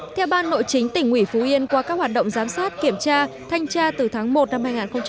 theo ban nội chính tỉnh ủy phú yên qua các hoạt động giám sát kiểm tra thanh tra từ tháng một năm hai nghìn một mươi chín